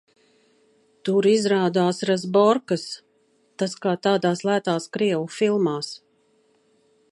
Tur izrādās razborkas. Tas kā tādās lētās krievu filmās.